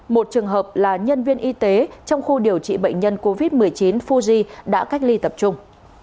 một trường hợp là nhân viên y tế trong khu điều trị bệnh nhân covid một mươi chín fuji đã cách ly tập trung